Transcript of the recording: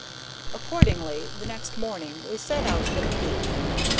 Accordingly, the next morning we set out for the peak.